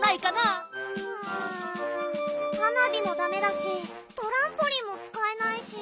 うん花火もダメだしトランポリンもつかえないし。